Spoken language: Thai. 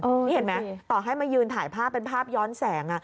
นี่เห็นไหมต่อให้มายืนถ่ายภาพเป็นภาพย้อนแสง